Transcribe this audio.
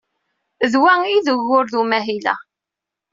D wa i d ugur d umahil-a.